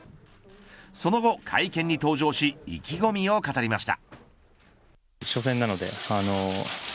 その後、会見に登場し意気込みを語りました。